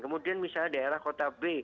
kemudian misalnya daerah kota b